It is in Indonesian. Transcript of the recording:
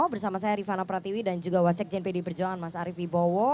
bersama saya rifana pratiwi dan juga wasyek jnp di perjuangan mas arief ribowo